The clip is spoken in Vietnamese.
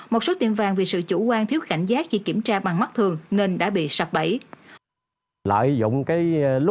một số tiệm vàng vì sự chủ quan thiếu cảnh giác khi kiểm tra bằng mắt thường nên đã bị sập bẫy